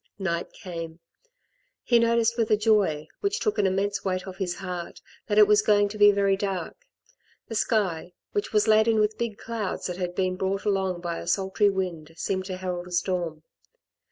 Night came. He noticed with a joy, which took an immense weight off his heart, that it was going to be very dark. The sky, which was laden with big clouds that had been brought along by a sultry wind, seemed to herald a storm.